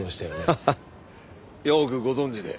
ハハッ。よくご存じで。